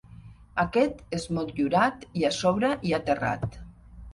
Aquest és motllurat i a sobre hi ha terrat.